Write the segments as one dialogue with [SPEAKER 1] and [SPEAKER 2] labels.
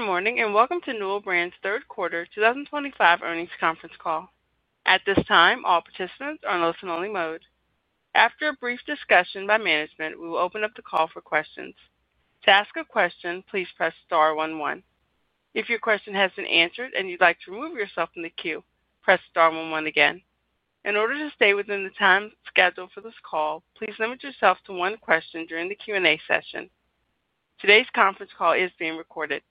[SPEAKER 1] Good morning and welcome to Newell Brands' third quarter 2025 earnings conference call. At this time, all participants are in listen-only mode. After a brief discussion by management, we will open up the call for questions. To ask a question, please press star one one. If your question has been answered and you'd like to remove yourself from the queue, press star one one again. In order to stay within the time scheduled for this call, please limit yourself to one question during the Q&A session. Today's conference call is being recorded.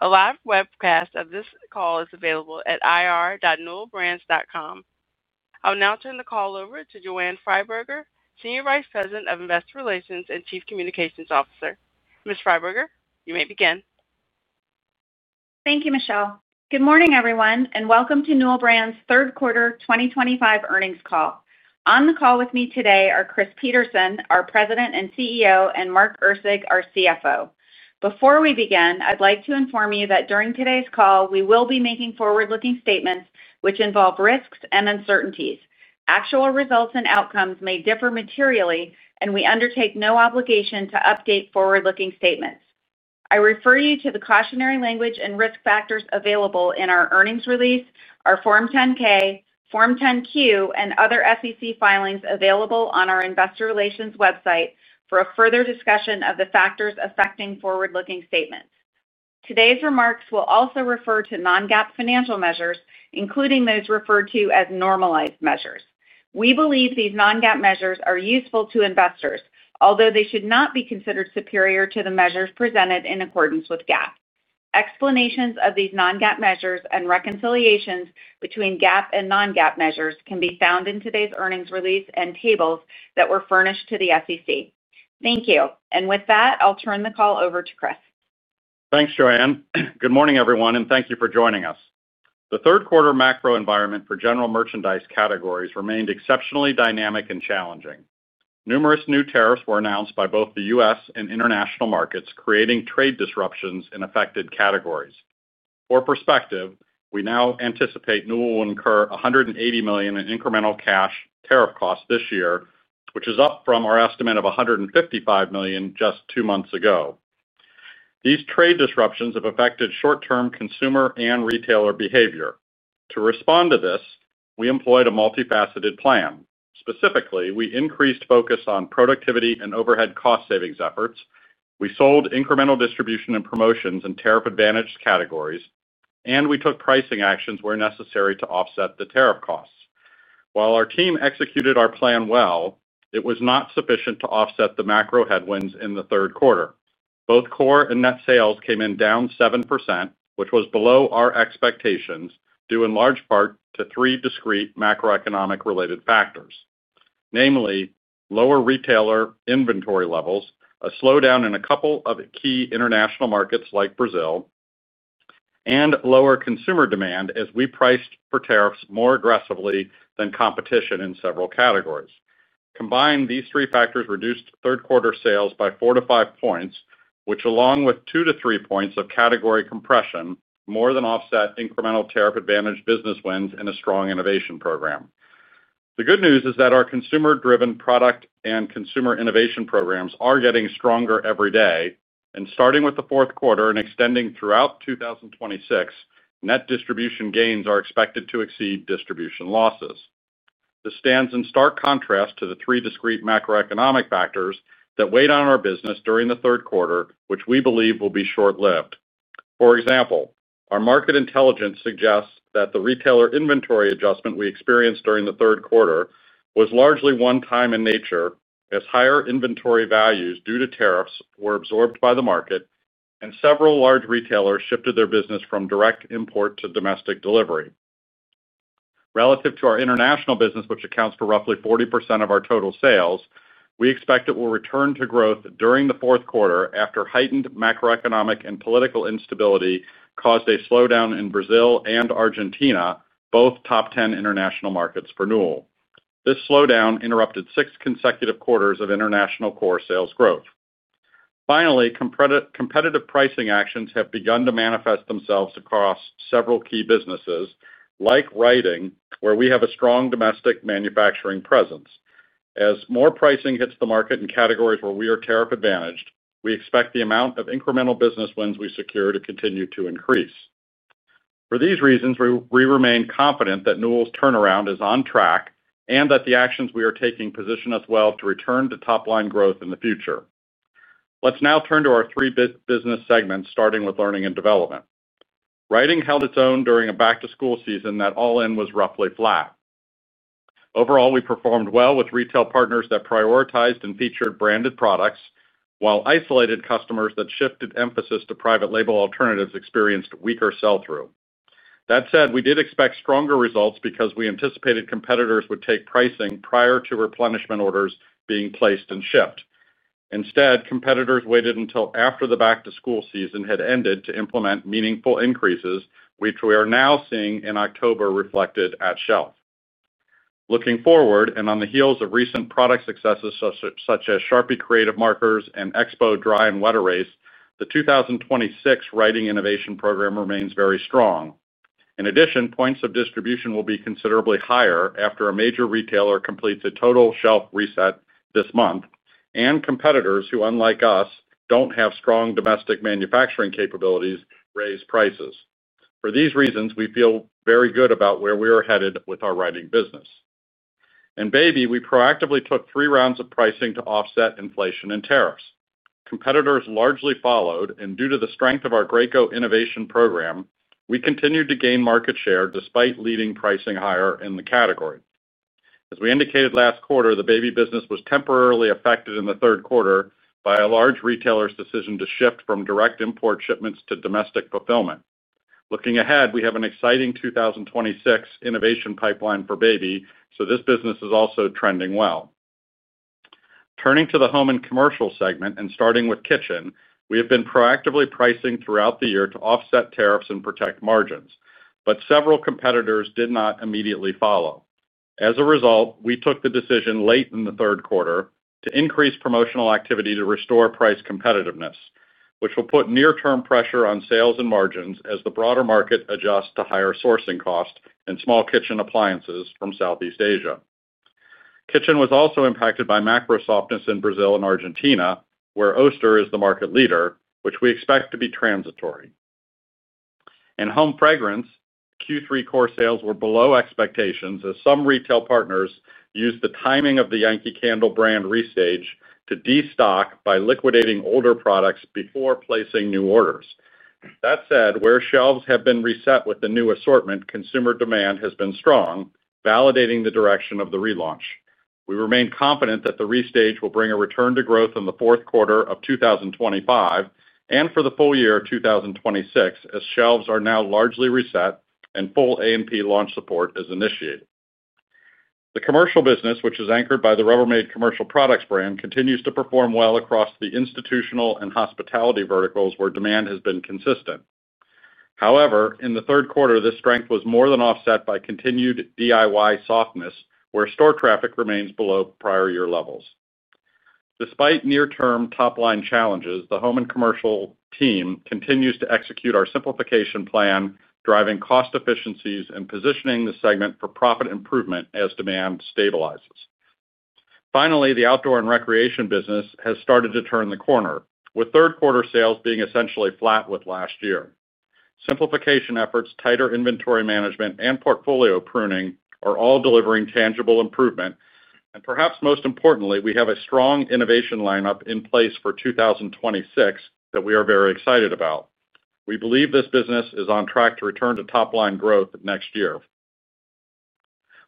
[SPEAKER 1] A live webcast of this call is available at irr.newellbrands.com. I'll now turn the call over to Joanne Freiberger, Senior Vice President of Investor Relations and Chief Communications Officer. Ms. Freiberger, you may begin.
[SPEAKER 2] Thank you, Michelle. Good morning, everyone, and welcome to Newell Brands' third quarter 2025 earnings call. On the call with me today are Chris Peterson, our President and CEO, and Mark Erceg, our CFO. Before we begin, I'd like to inform you that during today's call, we will be making forward-looking statements which involve risks and uncertainties. Actual results and outcomes may differ materially, and we undertake no obligation to update forward-looking statements. I refer you to the cautionary language and risk factors available in our earnings release, our Form 10-K, Form 10-Q, and other SEC filings available on our Investor Relations website for a further discussion of the factors affecting forward-looking statements. Today's remarks will also refer to non-GAAP financial measures, including those referred to as normalized measures. We believe these non-GAAP measures are useful to investors, although they should not be considered superior to the measures presented in accordance with GAAP. Explanations of these non-GAAP measures and reconciliations between GAAP and non-GAAP measures can be found in today's earnings release and tables that were furnished to the SEC. Thank you. With that, I'll turn the call over to Chris.
[SPEAKER 3] Thanks, Joanne. Good morning, everyone, and thank you for joining us. The third quarter macro environment for general merchandise categories remained exceptionally dynamic and challenging. Numerous new tariffs were announced by both the U.S. and international markets, creating trade disruptions in affected categories. For perspective, we now anticipate Newell will incur $180 million in incremental cash tariff costs this year, which is up from our estimate of $155 million just two months ago. These trade disruptions have affected short-term consumer and retailer behavior. To respond to this, we employed a multifaceted plan. Specifically, we increased focus on productivity and overhead cost savings efforts. We sold incremental distribution and promotions in tariff-advantaged categories, and we took pricing actions where necessary to offset the tariff costs. While our team executed our plan well, it was not sufficient to offset the macro headwinds in the third quarter. Both core and net sales came in down 7%, which was below our expectations due in large part to three discrete macroeconomic-related factors, namely lower retailer inventory levels, a slowdown in a couple of key international markets like Brazil, and lower consumer demand as we priced for tariffs more aggressively than competition in several categories. Combined, these three factors reduced third-quarter sales by four to five points, which, along with two to three points of category compression, more than offset incremental tariff-advantaged business wins and a strong innovation program. The good news is that our consumer-driven product and consumer innovation programs are getting stronger every day, and starting with the fourth quarter and extending throughout 2026, net distribution gains are expected to exceed distribution losses. This stands in stark contrast to the three discrete macroeconomic factors that weighed on our business during the third quarter, which we believe will be short-lived. For example, our market intelligence suggests that the retailer inventory adjustment we experienced during the third quarter was largely one-time in nature, as higher inventory values due to tariffs were absorbed by the market and several large retailers shifted their business from direct import to domestic delivery. Relative to our international business, which accounts for roughly 40% of our total sales, we expect it will return to growth during the fourth quarter after heightened macroeconomic and political instability caused a slowdown in Brazil and Argentina, both top 10 international markets for Newell. This slowdown interrupted six consecutive quarters of international core sales growth. Finally, competitive pricing actions have begun to manifest themselves across several key businesses, like Writing, where we have a strong domestic manufacturing presence. As more pricing hits the market in categories where we are tariff-advantaged, we expect the amount of incremental business wins we secure to continue to increase. For these reasons, we remain confident that Newell turnaround is on track and that the actions we are taking position us well to return to top-line growth in the future. Let's now turn to our three business segments, starting with Learning and Development. Writing held its own during a back-to-school season that all in was roughly flat. Overall, we performed well with retail partners that prioritized and featured branded products, while isolated customers that shifted emphasis to private label alternatives experienced weaker sell-through. That said, we did expect stronger results because we anticipated competitors would take pricing prior to replenishment orders being placed and shipped. Instead, competitors waited until after the back-to-school season had ended to implement meaningful increases, which we are now seeing in October reflected at shelf. Looking forward and on the heels of recent product successes such as Sharpie Creative Markers and Expo Dry and Wet Erase, the 2026 Writing innovation program remains very strong. In addition, points of distribution will be considerably higher after a major retailer completes a total shelf reset this month, and competitors who, unlike us, don't have strong domestic manufacturing capabilities raise prices. For these reasons, we feel very good about where we are headed with our Writing business. In Baby, we proactively took three rounds of pricing to offset inflation and tariffs. Competitors largely followed, and due to the strength of our Graco innovation program, we continued to gain market share despite leading pricing higher in the category. As we indicated last quarter, the Baby business was temporarily affected in the third quarter by a large retailer's decision to shift from direct import shipments to domestic fulfillment. Looking ahead, we have an exciting 2026 innovation pipeline for Baby, so this business is also trending well. Turning to the Home and Commercial segment and starting with Kitchen, we have been proactively pricing throughout the year to offset tariffs and protect margins, but several competitors did not immediately follow. As a result, we took the decision late in the third quarter to increase promotional activity to restore price competitiveness, which will put near-term pressure on sales and margins as the broader market adjusts to higher sourcing costs and small kitchen appliances from Southeast Asia. Kitchen was also impacted by macro softness in Brazil and Argentina, where Oster is the market leader, which we expect to be transitory. In Home Fragrance, Q3 core sales were below expectations as some retail partners used the timing of the Yankee Candle brand restage to destock by liquidating older products before placing new orders. That said, where shelves have been reset with the new assortment, consumer demand has been strong, validating the direction of the relaunch. We remain confident that the restage will bring a return to growth in the fourth quarter of 2025 and for the full year 2026 as shelves are now largely reset and full A&P launch support is initiated. The Commercial business, which is anchored by the Rubbermaid Commercial Products brand, continues to perform well across the institutional and hospitality verticals where demand has been consistent. However, in the third quarter, this strength was more than offset by continued DIY softness, where store traffic remains below prior year levels. Despite near-term top-line challenges, the Home and Commercial team continues to execute our simplification plan, driving cost efficiencies and positioning the segment for profit improvement as demand stabilizes. Finally, the Outdoor and Recreation business has started to turn the corner, with third-quarter sales being essentially flat with last year. Simplification efforts, tighter inventory management, and portfolio pruning are all delivering tangible improvement. Perhaps most importantly, we have a strong innovation lineup in place for 2026 that we are very excited about. We believe this business is on track to return to top-line growth next year.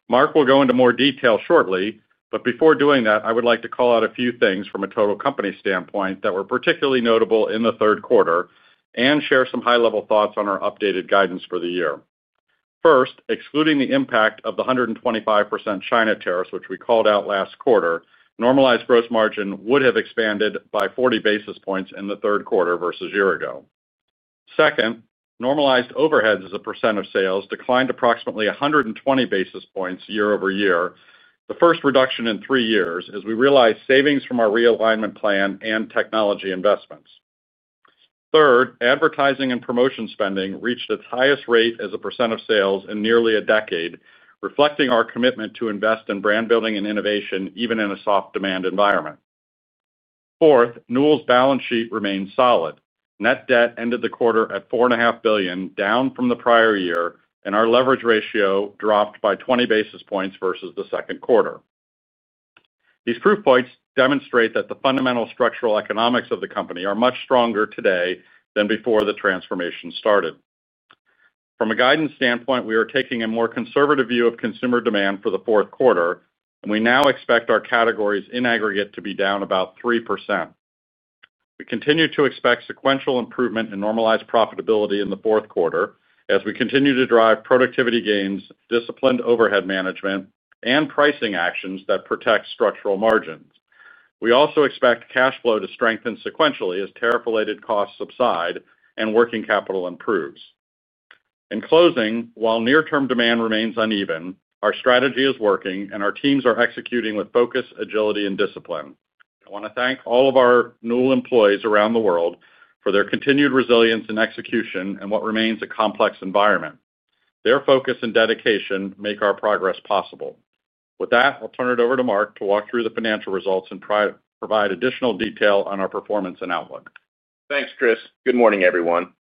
[SPEAKER 3] Mark will go into more detail shortly, but before doing that, I would like to call out a few things from a total company standpoint that were particularly notable in the third quarter and share some high-level thoughts on our updated guidance for the year. First, excluding the impact of the 125% China tariffs, which we called out last quarter, normalized gross margin would have expanded by 40 basis points in the third quarter versus a year ago. Second, normalized overheads as a percent of sales declined approximately 120 basis points year-over-year, the first reduction in three years, as we realized savings from our realignment plan and technology investments. Third, advertising and promotion spending reached its highest rate as a percent of sales in nearly a decade, reflecting our commitment to invest in brand building and innovation, even in a soft demand environment. Fourth, Newell's balance sheet remained solid. Net debt ended the quarter at $4.5 billion, down from the prior year, and our leverage ratio dropped by 20 basis points versus the second quarter. These proof points demonstrate that the fundamental structural economics of the company are much stronger today than before the transformation started. From a guidance standpoint, we are taking a more conservative view of consumer demand for the fourth quarter, and we now expect our categories in aggregate to be down about 3%. We continue to expect sequential improvement and normalized profitability in the fourth quarter as we continue to drive productivity gains, disciplined overhead management, and pricing actions that protect structural margins. We also expect cash flow to strengthen sequentially as tariff-related costs subside and working capital improves. In closing, while near-term demand remains uneven, our strategy is working, and our teams are executing with focus, agility, and discipline. I want to thank all of our Newell employees around the world for their continued resilience and execution in what remains a complex environment. Their focus and dedication make our progress possible. With that, I'll turn it over to Mark to walk through the financial results and provide additional detail on our performance and outlook.
[SPEAKER 4] Thanks, Chris. Good morning, everyone.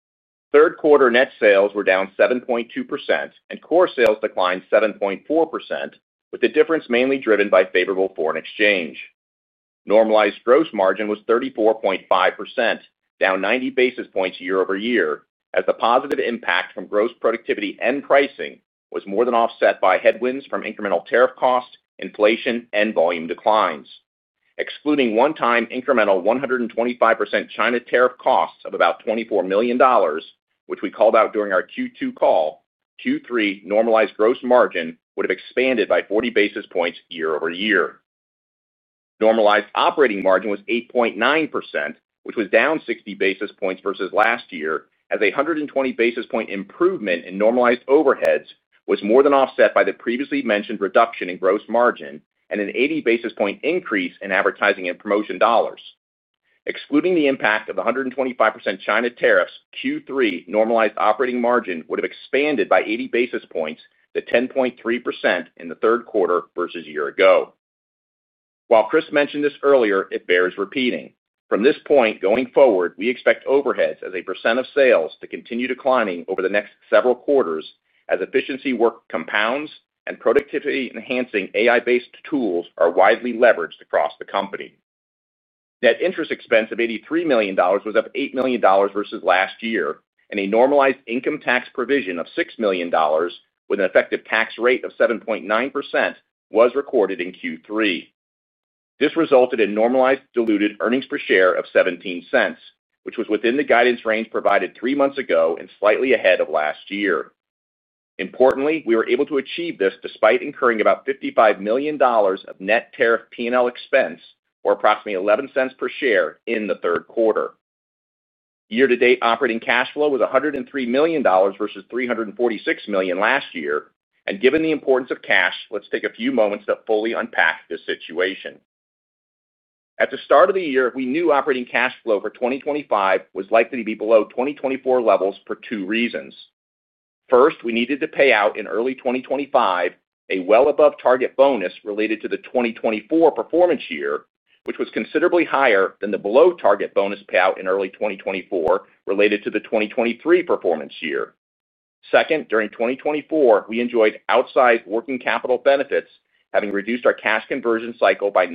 [SPEAKER 4] Third-quarter net sales were down 7.2%, and core sales declined 7.4%, with the difference mainly driven by favorable foreign exchange. Normalized gross margin was 34.5%, down 90 basis points year-over-year, as the positive impact from gross productivity and pricing was more than offset by headwinds from incremental tariff costs, inflation, and volume declines. Excluding one-time incremental 125% China tariff costs of about $24 million, which we called out during our Q2 call, Q3 normalized gross margin would have expanded by 40 basis points year-over-year. Normalized operating margin was 8.9%, which was down 60 basis points versus last year, as a 120 basis point improvement in normalized overheads was more than offset by the previously mentioned reduction in gross margin and an 80 basis point increase in advertising and promotion dollars. Excluding the impact of the 125% China tariffs, Q3 normalized operating margin would have expanded by 80 basis points to 10.3% in the third quarter versus a year ago. While Chris mentioned this earlier, it bears repeating. From this point going forward, we expect overheads as a percent of sales to continue declining over the next several quarters as efficiency work compounds and productivity-enhancing AI-based tools are widely leveraged across the company. Net interest expense of $83 million was up $8 million versus last year, and a normalized income tax provision of $6 million with an effective tax rate of 7.9% was recorded in Q3. This resulted in normalized diluted earnings per share of $0.17, which was within the guidance range provided three months ago and slightly ahead of last year. Importantly, we were able to achieve this despite incurring about $55 million of net tariff P&L expense, or approximately $0.11 per share, in the third quarter. Year-to-date operating cash flow was $103 million versus $346 million last year, and given the importance of cash, let's take a few moments to fully unpack this situation. At the start of the year, we knew operating cash flow for 2025 was likely to be below 2024 levels for two reasons. First, we needed to pay out in early 2025 a well-above target bonus related to the 2024 performance year, which was considerably higher than the below target bonus payout in early 2024 related to the 2023 performance year. Second, during 2024, we enjoyed outsized working capital benefits, having reduced our cash conversion cycle by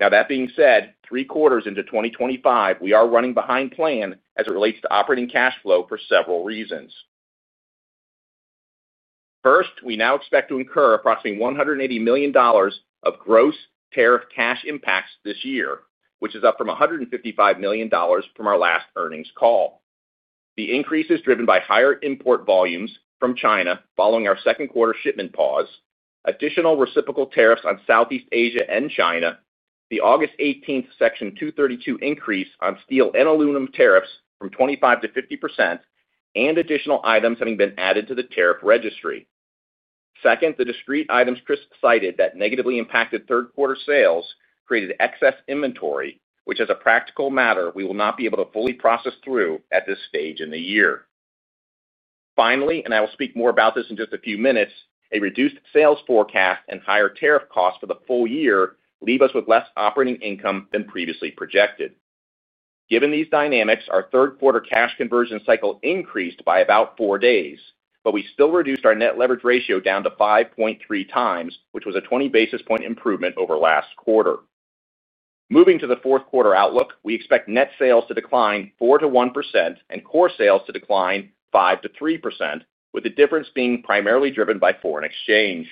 [SPEAKER 4] nine days. Now, that being said, three quarters into 2025, we are running behind plan as it relates to operating cash flow for several reasons. First, we now expect to incur approximately $180 million of gross tariff cash impacts this year, which is up from $155 million from our last earnings call. The increase is driven by higher import volumes from China following our second-quarter shipment pause, additional reciprocal tariffs on Southeast Asia and China, the August 18th Section 232 increase on steel and aluminum tariffs from 25% to 50%, and additional items having been added to the tariff registry. Second, the discrete items Chris cited that negatively impacted third-quarter sales created excess inventory, which, as a practical matter, we will not be able to fully process through at this stage in the year. Finally, and I will speak more about this in just a few minutes, a reduced sales forecast and higher tariff costs for the full year leave us with less operating income than previously projected. Given these dynamics, our third-quarter cash conversion cycle increased by about four days, but we still reduced our net leverage ratio down to 5.3x, which was a 20 basis point improvement over last quarter. Moving to the fourth-quarter outlook, we expect net sales to decline 4%-1% and core sales to decline 5%-3%, with the difference being primarily driven by foreign exchange.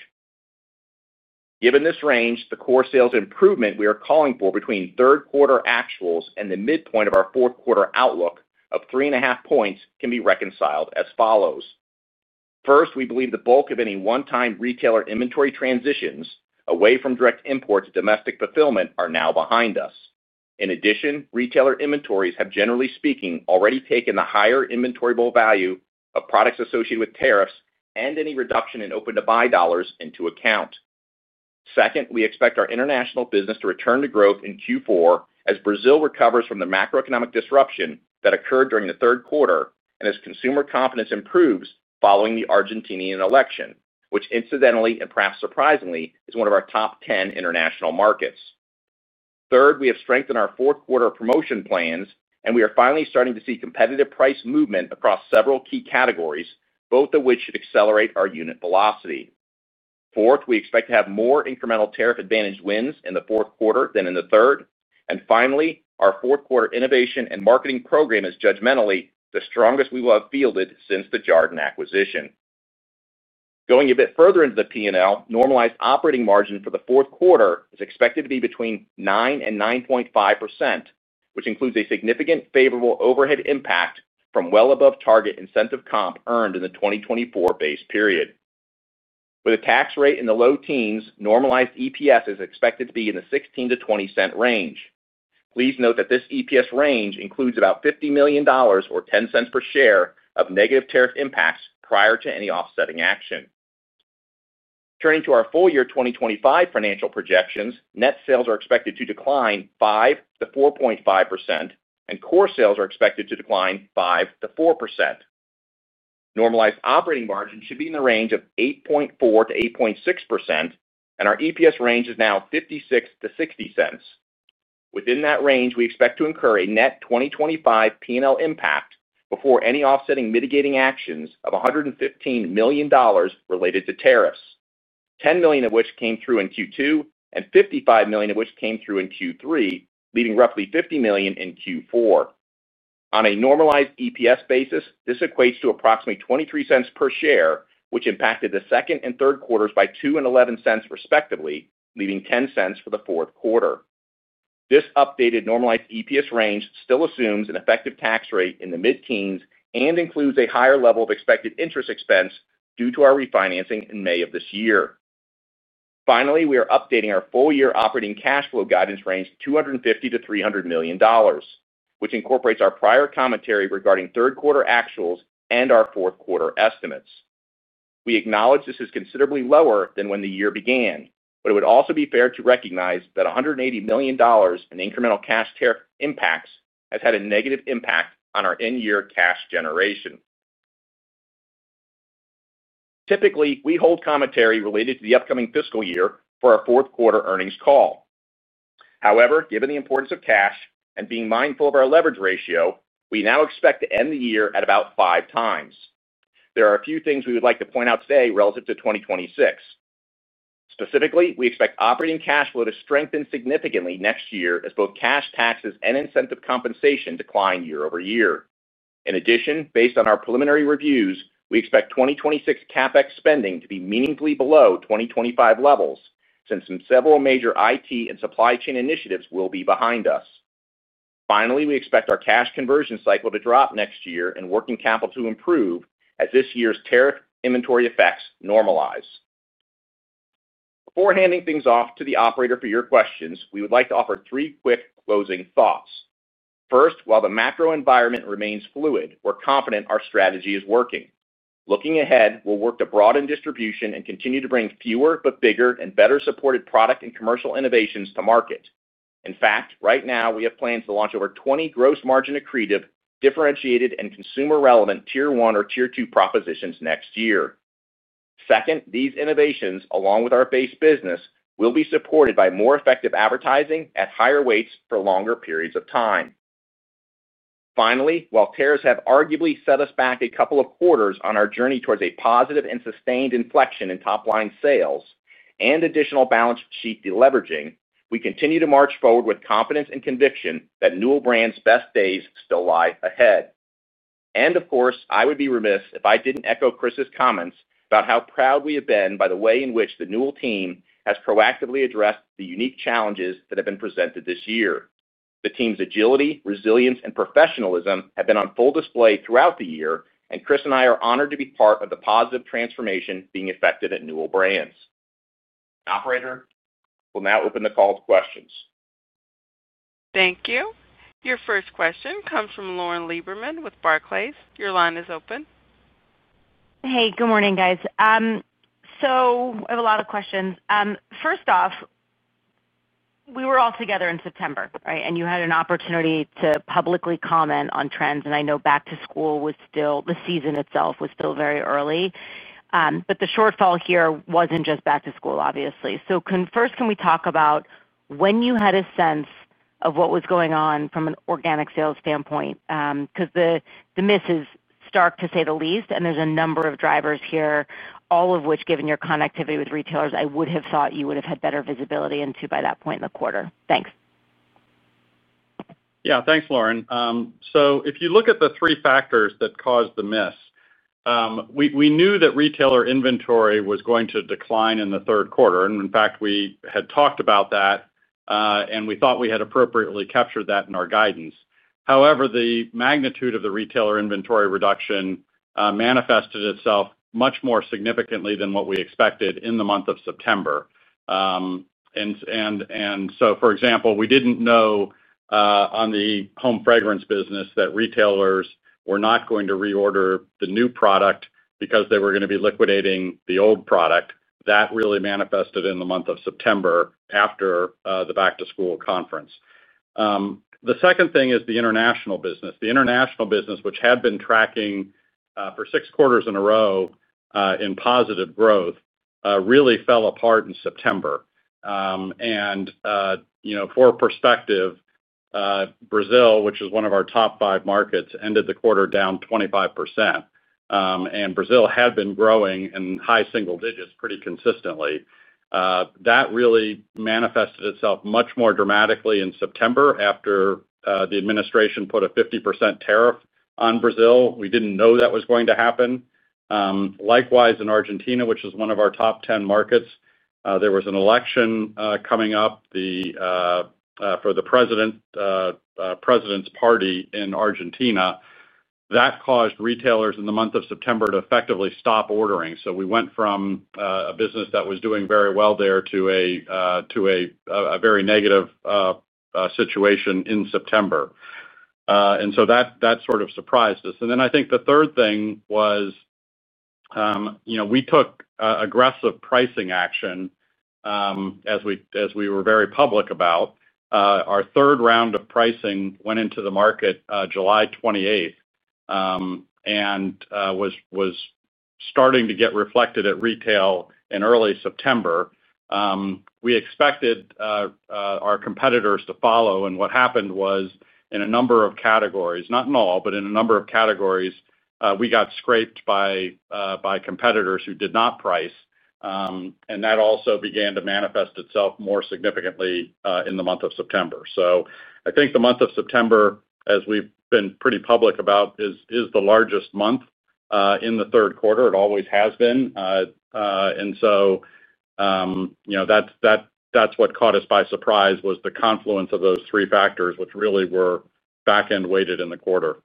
[SPEAKER 4] Given this range, the core sales improvement we are calling for between third-quarter actuals and the midpoint of our fourth-quarter outlook of 3.5 points can be reconciled as follows. First, we believe the bulk of any one-time retailer inventory transitions away from direct import to domestic fulfillment are now behind us. In addition, retailer inventories have, generally speaking, already taken the higher inventorable value of products associated with tariffs and any reduction in open-to-buy dollars into account. Second, we expect our international business to return to growth in Q4 as Brazil recovers from the macroeconomic disruption that occurred during the third quarter and as consumer confidence improves following the Argentinian election, which incidentally and perhaps surprisingly is one of our top 10 international markets. Third, we have strengthened our fourth-quarter promotion plans, and we are finally starting to see competitive price movement across several key categories, both of which should accelerate our unit velocity. Fourth, we expect to have more incremental tariff advantage wins in the fourth quarter than in the third. Finally, our fourth-quarter innovation and marketing program is judgmentally the strongest we will have fielded since the Jarden acquisition. Going a bit further into the P&L, normalized operating margin for the fourth quarter is expected to be between 9% and 9.5%, which includes a significant favorable overhead impact from well above target incentive comp earned in the 2024 base period. With a tax rate in the low teens, normalized EPS is expected to be in the $0.16-$0.20 range. Please note that this EPS range includes about $50 million, or $0.10 per share, of negative tariff impacts prior to any offsetting action. Turning to our full year 2025 financial projections, net sales are expected to decline 5%-4.5%, and core sales are expected to decline 5%-4%. Normalized operating margin should be in the range of 8.4%-8.6%, and our EPS range is now $0.56-$0.60. Within that range, we expect to incur a net 2025 P&L impact before any offsetting mitigating actions of $115 million related to tariffs, $10 million of which came through in Q2 and $55 million of which came through in Q3, leaving roughly $50 million in Q4. On a normalized EPS basis, this equates to approximately $0.23 per share, which impacted the second and third quarters by $0.02 and $0.11 respectively, leaving $0.10 for the fourth quarter. This updated normalized EPS range still assumes an effective tax rate in the mid-teens and includes a higher level of expected interest expense due to our refinancing in May of this year. Finally, we are updating our full year operating cash flow guidance range to $250 million-$300 million, which incorporates our prior commentary regarding third-quarter actuals and our fourth-quarter estimates. We acknowledge this is considerably lower than when the year began, but it would also be fair to recognize that $180 million in incremental cash tariff impacts has had a negative impact on our end-year cash generation. Typically, we hold commentary related to the upcoming fiscal year for our fourth-quarter earnings call. However, given the importance of cash and being mindful of our leverage ratio, we now expect to end the year at about five times. There are a few things we would like to point out today relative to 2026. Specifically, we expect operating cash flow to strengthen significantly next year as both cash taxes and incentive compensation decline year-over-year. In addition, based on our preliminary reviews, we expect 2026 CapEx spending to be meaningfully below 2025 levels since several major IT and supply chain initiatives will be behind us. Finally, we expect our cash conversion cycle to drop next year and working capital to improve as this year's tariff inventory effects normalize. Before handing things off to the operator for your questions, we would like to offer three quick closing thoughts. First, while the macro environment remains fluid, we're confident our strategy is working. Looking ahead, we'll work to broaden distribution and continue to bring fewer but bigger and better-supported product and commercial innovations to market. In fact, right now, we have plans to launch over 20 gross margin accretive, differentiated, and consumer-relevant tier-one or tier-two propositions next year. Second, these innovations, along with our base business, will be supported by more effective advertising at higher weights for longer periods of time. Finally, while tariffs have arguably set us back a couple of quarters on our journey towards a positive and sustained inflection in top-line sales and additional balance sheet deleveraging, we continue to march forward with confidence and conviction that Newell best days still lie ahead. I would be remiss if I didn't echo Chris's comments about how proud we have been by the way in which the Newell team has proactively addressed the unique challenges that have been presented this year. The team's agility, resilience, and professionalism have been on full display throughout the year, and Chris and I are honored to be part of the positive transformation being effected at Newell Brands. Operator, we'll now open the call to questions.
[SPEAKER 1] Thank you. Your first question comes from Lauren Lieberman with Barclays. Your line is open.
[SPEAKER 5] Hey, good morning, guys. I have a lot of questions. First off, we were all together in September, right, and you had an opportunity to publicly comment on trends. I know back to school was still the season itself was still very early. The shortfall here wasn't just back to school, obviously. First, can we talk about when you had a sense of what was going on from an organic sales standpoint? The myth is stark, to say the least, and there's a number of drivers here, all of which, given your connectivity with retailers, I would have thought you would have had better visibility into by that point in the quarter. Thanks.
[SPEAKER 3] Yeah, thanks, Lauren. If you look at the three factors that caused the miss, we knew that retailer inventory was going to decline in the third quarter. In fact, we had talked about that, and we thought we had appropriately captured that in our guidance. However, the magnitude of the retailer inventory reduction manifested itself much more significantly than what we expected in the month of September. For example, we didn't know on the home fragrance business that retailers were not going to reorder the new product because they were going to be liquidating the old product. That really manifested in the month of September after the back to school conference. The second thing is the international business. The international business, which had been tracking for six quarters in a row in positive growth, really fell apart in September. For perspective, Brazil, which is one of our top five markets, ended the quarter down 25%. Brazil had been growing in high single digits pretty consistently. That really manifested itself much more dramatically in September after the administration put a 50% tariff on Brazil. We didn't know that was going to happen. Likewise, in Argentina, which is one of our top 10 markets, there was an election coming up for the president's party in Argentina. That caused retailers in the month of September to effectively stop ordering. We went from a business that was doing very well there to a very negative situation in September. That sort of surprised us. I think the third thing was we took aggressive pricing action, as we were very public about. Our third round of pricing went into the market July 28th and was starting to get reflected at retail in early September. We expected our competitors to follow, and what happened was in a number of categories, not in all, but in a number of categories, we got scraped by competitors who did not price. That also began to manifest itself more significantly in the month of September. I think the month of September, as we've been pretty public about, is the largest month in the third quarter. It always has been. That's what caught us by surprise, the confluence of those three factors, which really were back-end weighted in the quarter.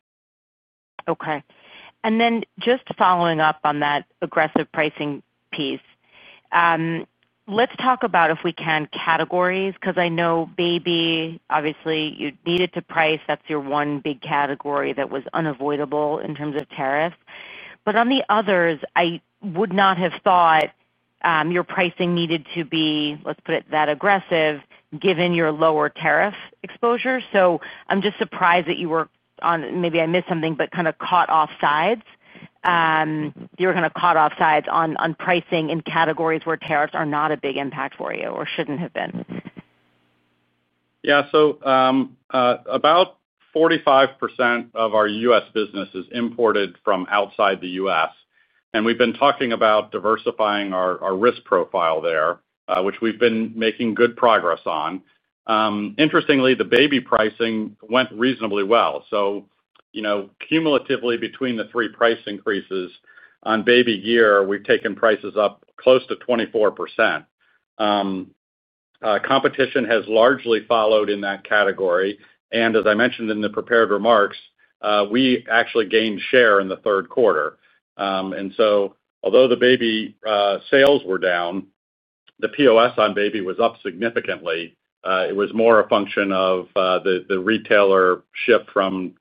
[SPEAKER 5] Okay. Just following up on that aggressive pricing piece, let's talk about, if we can, categories. I know Baby, obviously, you needed to price. That's your one big category that was unavoidable in terms of tariffs. On the others, I would not have thought your pricing needed to be, let's put it, that aggressive, given your lower tariff exposure. I'm just surprised that you were on, maybe I missed something, but kind of caught off sides. You were kind of caught off sides on pricing in categories where tariffs are not a big impact for you or shouldn't have been.
[SPEAKER 3] Yeah. About 45% of our U.S. business is imported from outside the U.S., and we've been talking about diversifying our risk profile there, which we've been making good progress on. Interestingly, the Baby pricing went reasonably well. Cumulatively, between the three price increases on Baby gear, we've taken prices up close to 24%. Competition has largely followed in that category. As I mentioned in the prepared remarks, we actually gained share in the third quarter. Although the Baby sales were down, the POS on Baby was up significantly. It was more a function of the retailer shift from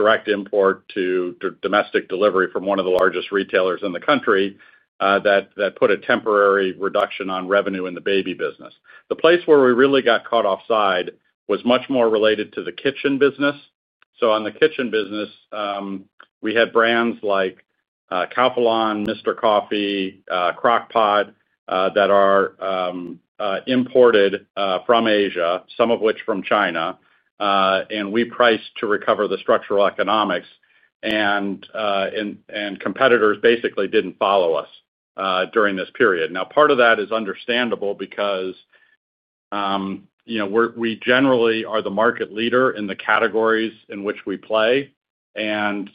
[SPEAKER 3] direct import to domestic delivery from one of the largest retailers in the country that put a temporary reduction on revenue in the baby business. The place where we really got caught offside was much more related to the kitchen business. On the kitchen business, we had brands like Calphalon, Mr. Coffee, Crock-Pot that are imported from Asia, some of which from China. We priced to recover the structural economics, and competitors basically didn't follow us during this period. Part of that is understandable because we generally are the market leader in the categories in which we play, and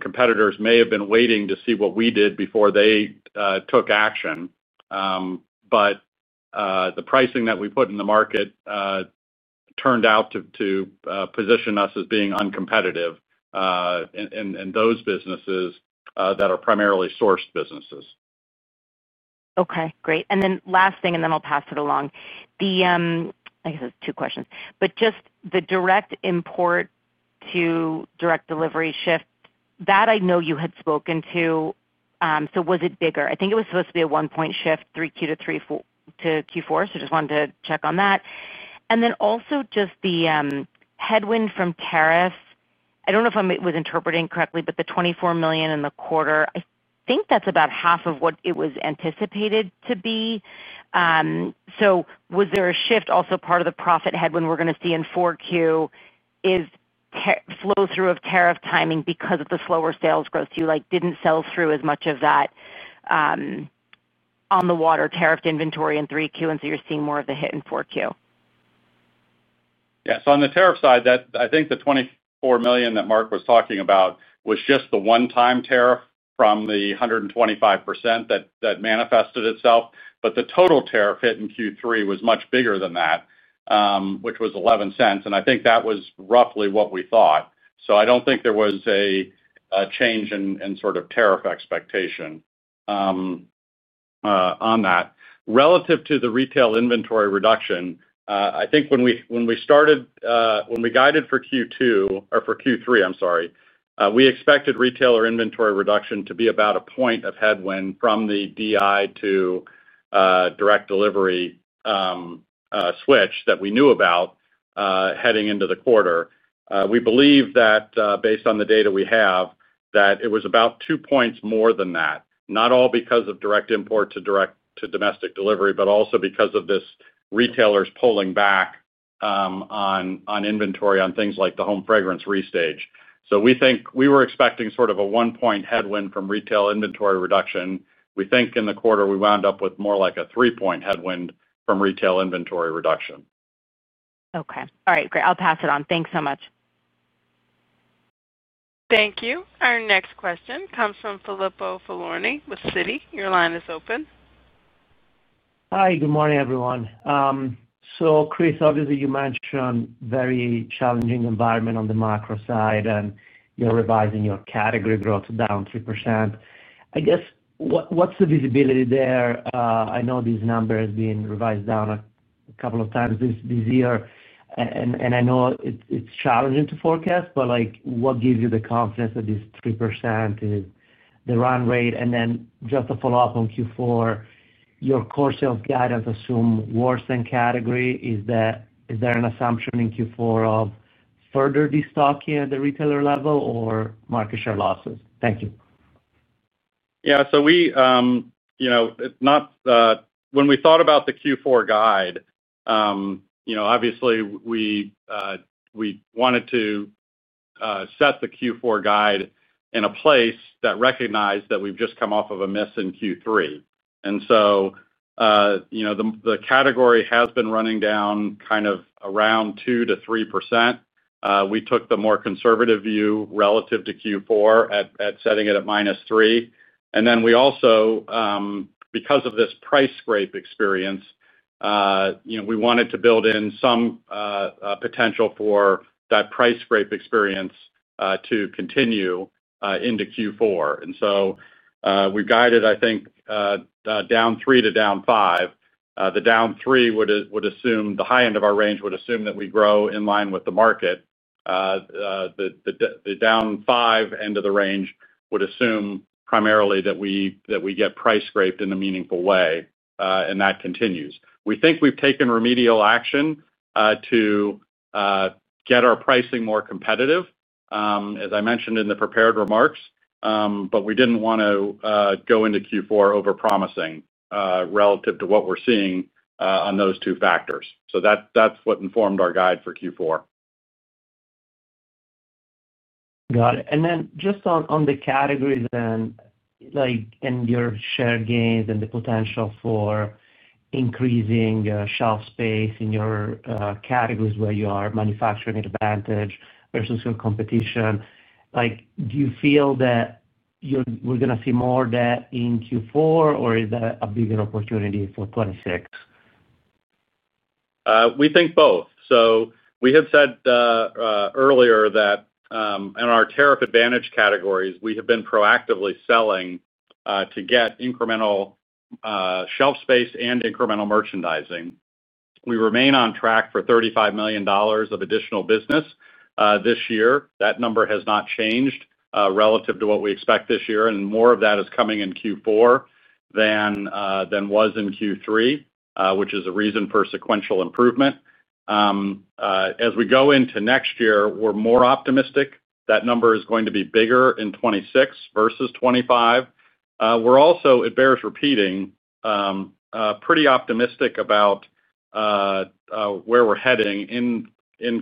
[SPEAKER 3] competitors may have been waiting to see what we did before they took action. The pricing that we put in the market turned out to position us as being uncompetitive in those businesses that are primarily sourced businesses.
[SPEAKER 5] Okay. Great. Last thing, then I'll pass it along. I guess it's two questions. The direct import to direct delivery shift that I know you had spoken to—was it bigger? I think it was supposed to be a one-point shift, Q2 to Q4. I just wanted to check on that. Also, the headwind from tariffs. I don't know if I was interpreting correctly, but the $24 million in the quarter, I think that's about 1/2 of what it was anticipated to be. Was there a shift also part of the profit headwind we're going to see in Q4? Is flow-through of tariff timing because of the slower sales growth? You didn't sell through as much of that on-the-water tariffed inventory in Q3, and so you're seeing more of the hit in Q4.
[SPEAKER 3] Yeah. On the tariff side, I think the $24 million that Mark was talking about was just the one-time tariff from the 125% that manifested itself. The total tariff hit in Q3 was much bigger than that, which was $0.11. I think that was roughly what we thought. I don't think there was a change in sort of tariff expectation on that. Relative to the retail inventory reduction, I think when we started, when we guided for Q2 or for Q3, I'm sorry, we expected retailer inventory reduction to be about a point of headwind from the DI to direct delivery switch that we knew about heading into the quarter. We believe that, based on the data we have, it was about two points more than that. Not all because of direct import to direct to domestic delivery, but also because of retailers pulling back on inventory on things like the home fragrance restage. We think we were expecting sort of a one-point headwind from retail inventory reduction. We think in the quarter we wound up with more like a three-point headwind from retail inventory reduction.
[SPEAKER 5] All right. Great. I'll pass it on. Thanks so much.
[SPEAKER 1] Thank you. Our next question comes from Filippo Falorni with Citi. Your line is open.
[SPEAKER 6] Hi. Good morning, everyone. Chris, obviously, you mentioned a very challenging environment on the macro side, and you're revising your category growth down 3%. What's the visibility there? I know these numbers have been revised down a couple of times this year. I know it's challenging to forecast, but what gives you the confidence that this 3% is the run rate? Just to follow up on Q4, your core sales guidance assumed worse than category. Is there an assumption in Q4 of further destocking at the retailer level or market share losses? Thank you.
[SPEAKER 3] When we thought about the Q4 guide, we wanted to set the Q4 guide in a place that recognized that we've just come off of a miss in Q3. The category has been running down kind of around 2%-3%. We took the more conservative view relative to Q4 at setting it at -3%. We also, because of this price scrape experience, wanted to build in some potential for that price scrape experience to continue into Q4. We guided, I think, down 3% to down 5%. The down 3% would assume the high end of our range would assume that we grow in line with the market. The down 5% end of the range would assume primarily that we get price scraped in a meaningful way and that continues. We think we've taken remedial action to get our pricing more competitive, as I mentioned in the prepared remarks. We didn't want to go into Q4 overpromising relative to what we're seeing on those two factors. That's what informed our guide for Q4.
[SPEAKER 6] Got it. On the categories and your share gains and the potential for increasing shelf space in your categories where you have a manufacturing advantage versus your competition, do you feel that we're going to see more of that in Q4, or is that a bigger opportunity for 2026?
[SPEAKER 3] We think both. We had said earlier that in our tariff advantage categories, we have been proactively selling to get incremental shelf space and incremental merchandising. We remain on track for $35 million of additional business this year. That number has not changed relative to what we expect this year, and more of that is coming in Q4 than was in Q3, which is a reason for sequential improvement. As we go into next year, we're more optimistic that number is going to be bigger in 2026 versus 2025. It bears repeating, we're also pretty optimistic about where we're heading in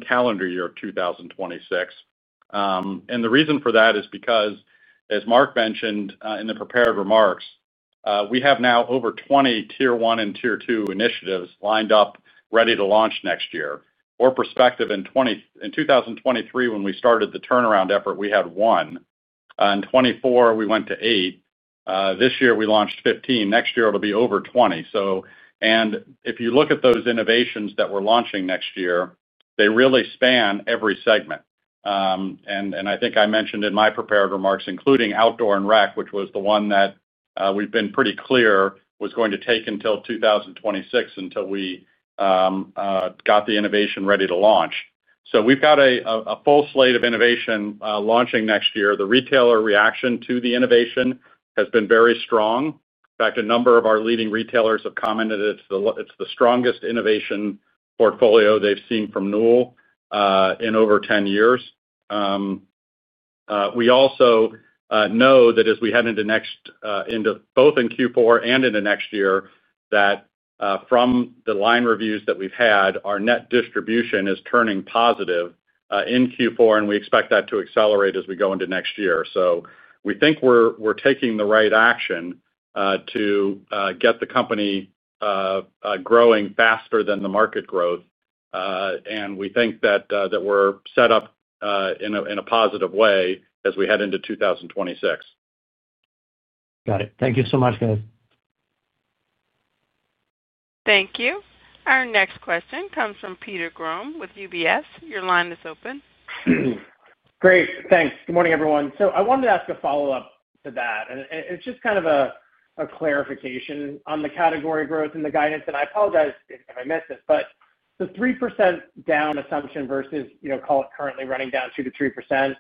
[SPEAKER 3] calendar year 2026. The reason for that is because, as Mark mentioned in the prepared remarks, we have now over 20 Tier 1 and Tier 2 initiatives lined up, ready to launch next year. Our perspective in 2023, when we started the turnaround effort, we had one. In 2024, we went to eight. This year, we launched 15. Next year, it'll be over 20. If you look at those innovations that we're launching next year, they really span every segment. I think I mentioned in my prepared remarks, including outdoor and rec, which was the one that we've been pretty clear was going to take until 2026 until we got the innovation ready to launch. We've got a full slate of innovation launching next year. The retailer reaction to the innovation has been very strong. In fact, a number of our leading retailers have commented it's the strongest innovation portfolio they've seen from Newell in over 10 years. We also know that as we head into both Q4 and into next year, from the line reviews that we've had, our net distribution is turning positive in Q4, and we expect that to accelerate as we go into next year. We think we're taking the right action to get the company growing faster than the market growth, and we think that we're set up in a positive way as we head into 2026.
[SPEAKER 6] Got it. Thank you so much, guys.
[SPEAKER 1] Thank you. Our next question comes from Peter Grom with UBS. Your line is open.
[SPEAKER 7] Great. Thanks. Good morning, everyone. I wanted to ask a follow-up to that. It's just kind of a clarification on the category growth and the guidance. I apologize if I missed it, but the 3% down assumption versus, call it, currently running down 2%-3%.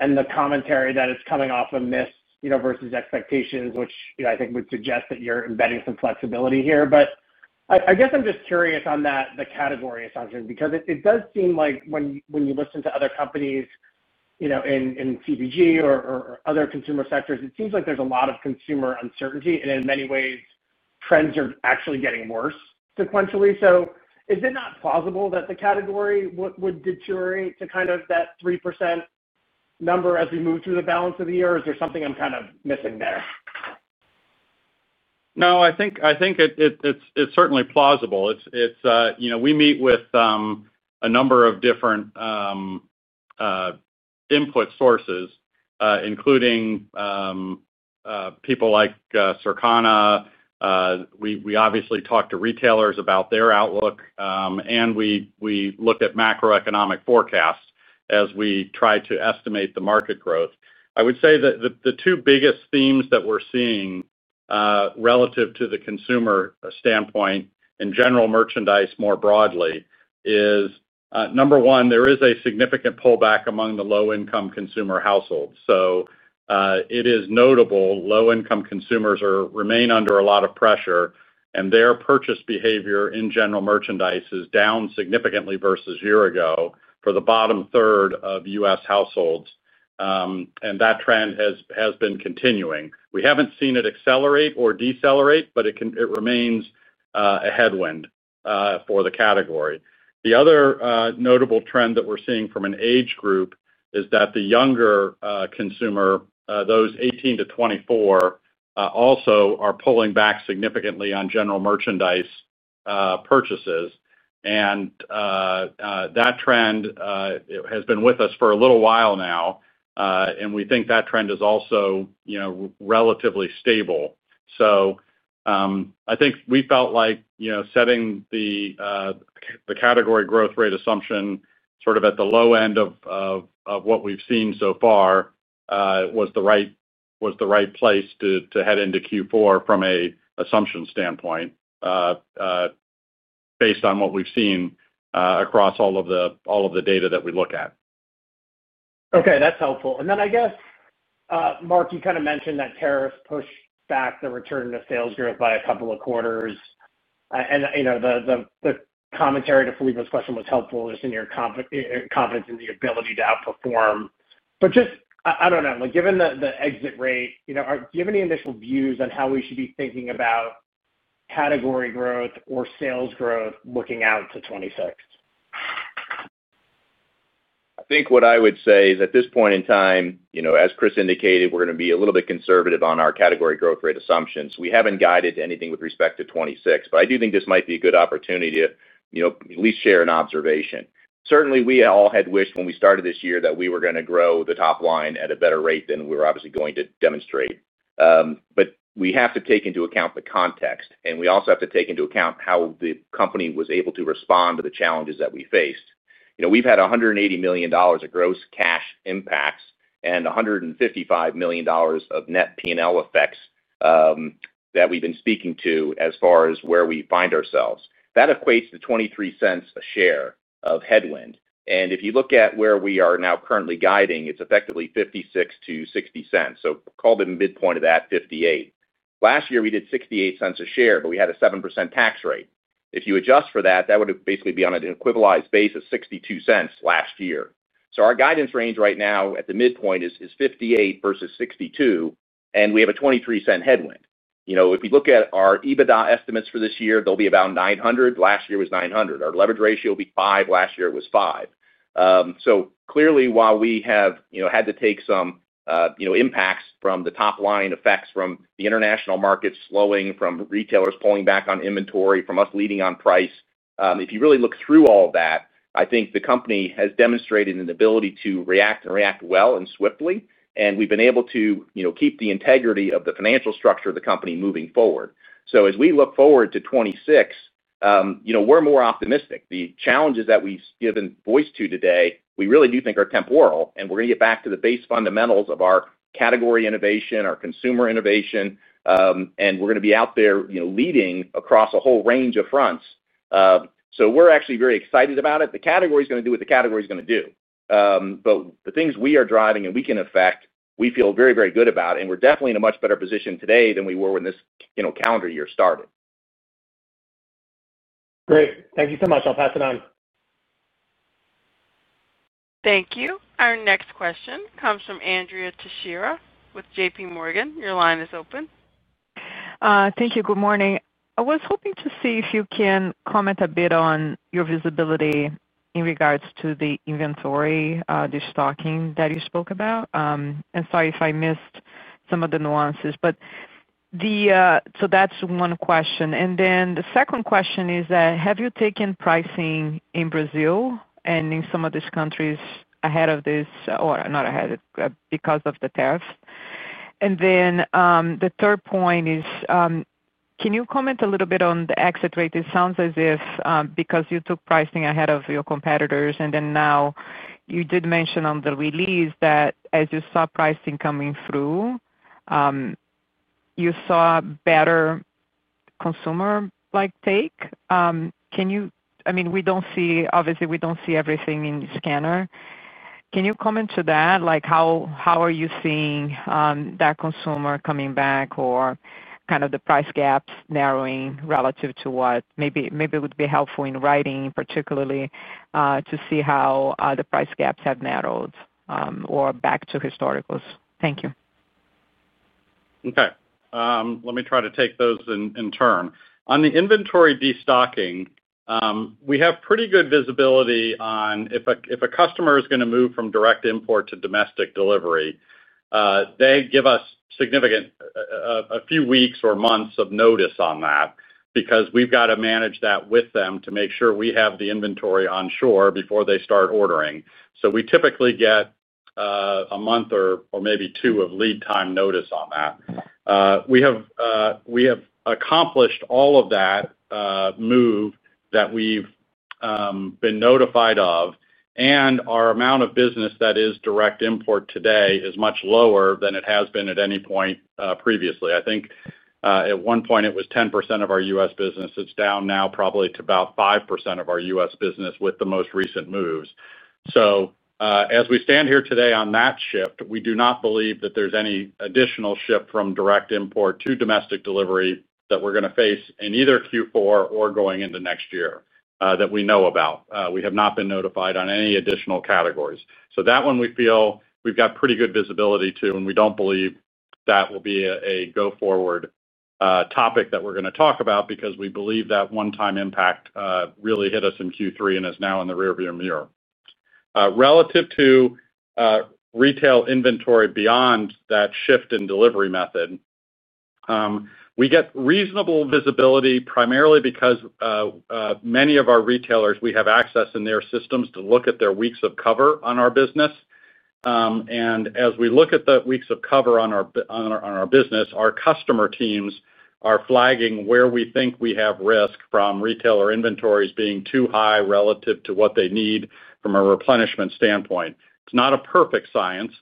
[SPEAKER 7] The commentary that it's coming off a miss versus expectations, which I think would suggest that you're embedding some flexibility here. I guess I'm just curious on the category assumption because it does seem like when you listen to other companies in CPG or other consumer sectors, it seems like there's a lot of consumer uncertainty. In many ways, trends are actually getting worse sequentially. Is it not plausible that the category would deteriorate to kind of that 3% number as we move through the balance of the year? Is there something I'm kind of missing there?
[SPEAKER 3] I think it's certainly plausible. We meet with a number of different input sources, including people like Circana. We obviously talk to retailers about their outlook, and we look at macroeconomic forecasts as we try to estimate the market growth. I would say that the two biggest themes that we're seeing relative to the consumer standpoint and general merchandise more broadly is, number one, there is a significant pullback among the low-income consumer households. It is notable low-income consumers remain under a lot of pressure, and their purchase behavior in general merchandise is down significantly versus a year ago for the bottom third of U.S. households. That trend has been continuing. We haven't seen it accelerate or decelerate, but it remains a headwind for the category. The other notable trend that we're seeing from an age group is that the younger consumer, those 18 to 24, also are pulling back significantly on general merchandise purchases. That trend has been with us for a little while now, and we think that trend is also relatively stable. I think we felt like setting the category growth rate assumption sort of at the low end of what we've seen so far was the right place to head into Q4 from an assumption standpoint, based on what we've seen across all of the data that we look at.
[SPEAKER 7] Okay. That's helpful. Mark, you kind of mentioned that tariffs pushed back the return to sales growth by a couple of quarters. The commentary to Filippo's question was helpful just in your confidence in the ability to outperform. Just, I don't know, given the exit rate, do you have any initial views on how we should be thinking about category growth or sales growth looking out to 2026?
[SPEAKER 4] I think what I would say is at this point in time, as Chris indicated, we're going to be a little bit conservative on our category growth rate assumptions. We haven't guided anything with respect to 2026. I do think this might be a good opportunity to at least share an observation. Certainly, we all had wished when we started this year that we were going to grow the top line at a better rate than we were obviously going to demonstrate. We have to take into account the context. We also have to take into account how the company was able to respond to the challenges that we faced. We've had $180 million of gross cash impacts and $155 million of net P&L effects that we've been speaking to as far as where we find ourselves. That equates to $0.23 a share of headwind. If you look at where we are now currently guiding, it's effectively $0.56-$0.60. Call the midpoint of that $0.58. Last year, we did $0.68 a share, but we had a 7% tax rate. If you adjust for that, that would basically be on an equivocalized base of $0.62 last year. Our guidance range right now at the midpoint is $0.58 versus $0.62, and we have a $0.23 headwind. If we look at our EBITDA estimates for this year, they'll be about $900 million. Last year was $900 million. Our leverage ratio will be 5. Last year it was 5. Clearly, while we have had to take some impacts from the top line effects from the international markets slowing, from retailers pulling back on inventory, from us leading on price, if you really look through all of that, I think the company has demonstrated an ability to react and react well and swiftly. We've been able to keep the integrity of the financial structure of the company moving forward. As we look forward to 2026, we're more optimistic. The challenges that we've given voice to today, we really do think are temporal. We're going to get back to the base fundamentals of our category innovation, our consumer innovation, and we're going to be out there leading across a whole range of fronts. We're actually very excited about it. The category is going to do what the category is going to do. The things we are driving and we can affect, we feel very, very good about it. We're definitely in a much better position today than we were when this calendar year started.
[SPEAKER 7] Great, thank you so much. I'll pass it on.
[SPEAKER 1] Thank you. Our next question comes from Andrea Teixeira with JPMorgan. Your line is open.
[SPEAKER 8] Thank you. Good morning. I was hoping to see if you can comment a bit on your visibility in regards to the inventory destocking that you spoke about. Sorry if I missed some of the nuances. That's one question. The second question is, have you taken pricing in Brazil and in some of these countries ahead of this or not ahead because of the tariffs? The third point is, can you comment a little bit on the exit rate? It sounds as if, because you took pricing ahead of your competitors, and now you did mention on the release that as you saw pricing coming through, you saw better consumer-like take. Obviously, we don't see everything in the scanner. Can you comment to that? How are you seeing that consumer coming back or kind of the price gaps narrowing relative to what maybe it would be helpful in writing, particularly to see how the price gaps have narrowed or are back to historicals? Thank you.
[SPEAKER 3] Okay. Let me try to take those in turn. On the inventory destocking, we have pretty good visibility on if a customer is going to move from direct import to domestic delivery. They give us significant, a few weeks or months of notice on that because we've got to manage that with them to make sure we have the inventory on shore before they start ordering. We typically get a month or maybe two of lead time notice on that. We have accomplished all of that move that we've been notified of, and our amount of business that is direct import today is much lower than it has been at any point previously. I think at one point it was 10% of our U.S. business. It's down now probably to about 5% of our U.S. business with the most recent moves. As we stand here today on that shift, we do not believe that there's any additional shift from direct import to domestic delivery that we're going to face in either Q4 or going into next year that we know about. We have not been notified on any additional categories. That one we feel we've got pretty good visibility to, and we don't believe that will be a go-forward topic that we're going to talk about because we believe that one-time impact really hit us in Q3 and is now in the rearview mirror. Relative to retail inventory beyond that shift in delivery method, we get reasonable visibility primarily because many of our retailers, we have access in their systems to look at their weeks of cover on our business. As we look at the weeks of cover on our business, our customer teams are flagging where we think we have risk from retailer inventories being too high relative to what they need from a replenishment standpoint. It's not a perfect science.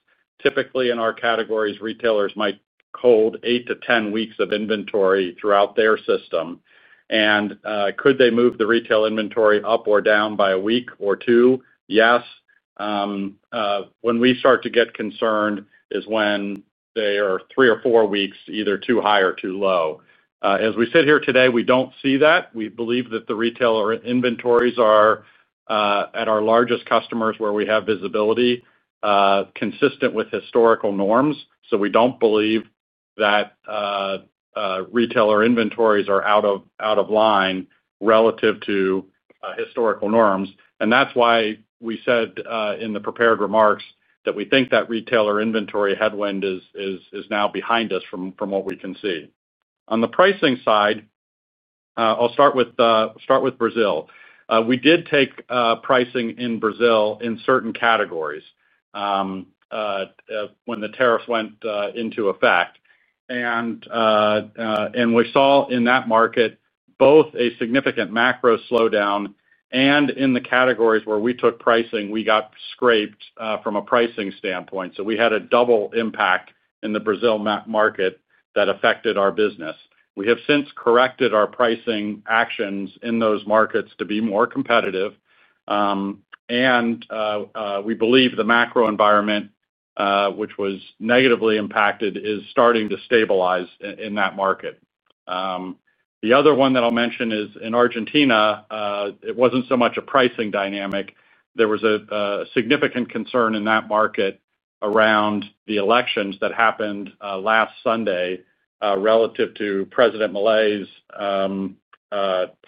[SPEAKER 3] Typically, in our categories, retailers might hold 8 to 10 weeks of inventory throughout their system. Could they move the retail inventory up or down by a week or two? Yes. When we start to get concerned is when they are three or four weeks either too high or too low. As we sit here today, we don't see that. We believe that the retailer inventories are, at our largest customers where we have visibility, consistent with historical norms. We don't believe that retailer inventories are out of line relative to historical norms. That's why we said in the prepared remarks that we think that retailer inventory headwind is now behind us from what we can see. On the pricing side, I'll start with Brazil. We did take pricing in Brazil in certain categories. When the tariffs went into effect, we saw in that market both a significant macro slowdown and in the categories where we took pricing, we got scraped from a pricing standpoint. We had a double impact in the Brazil market that affected our business. We have since corrected our pricing actions in those markets to be more competitive. We believe the macro environment, which was negatively impacted, is starting to stabilize in that market. The other one that I'll mention is in Argentina. It wasn't so much a pricing dynamic. There was a significant concern in that market around the elections that happened last Sunday relative to President Milei's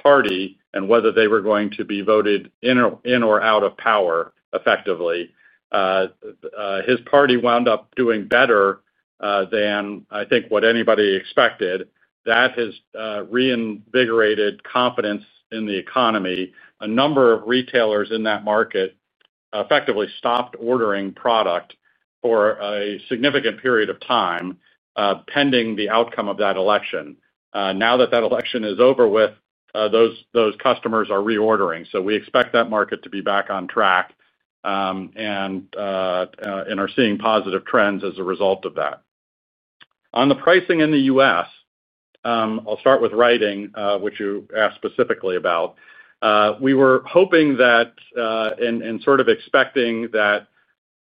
[SPEAKER 3] party and whether they were going to be voted in or out of power effectively. His party wound up doing better than I think what anybody expected. That has reinvigorated confidence in the economy. A number of retailers in that market effectively stopped ordering product for a significant period of time pending the outcome of that election. Now that that election is over with, those customers are reordering. We expect that market to be back on track and are seeing positive trends as a result of that. On the pricing in the U.S., I'll start with Writing, which you asked specifically about. We were hoping that, and sort of expecting that,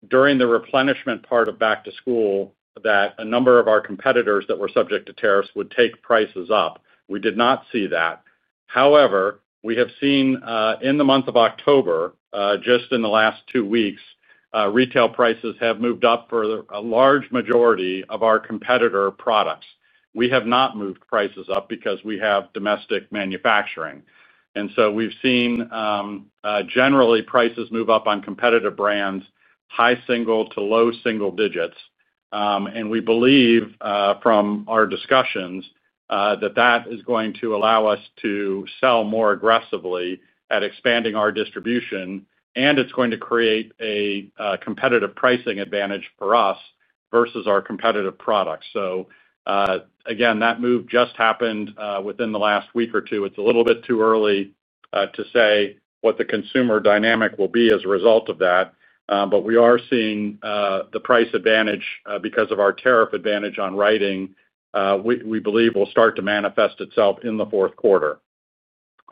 [SPEAKER 3] during the replenishment part of back to school, a number of our competitors that were subject to tariffs would take prices up. We did not see that. However, we have seen in the month of October, just in the last two weeks, retail prices have moved up for a large majority of our competitor products. We have not moved prices up because we have domestic manufacturing. We've seen generally prices move up on competitive brands, high single to low single digits. We believe from our discussions that is going to allow us to sell more aggressively at expanding our distribution, and it's going to create a competitive pricing advantage for us versus our competitive products. That move just happened within the last week or two. It's a little bit too early to say what the consumer dynamic will be as a result of that, but we are seeing the price advantage because of our tariff advantage on Writing. We believe it will start to manifest itself in the fourth quarter.